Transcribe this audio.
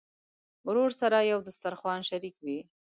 ورور سره یو دسترخوان شریک وي.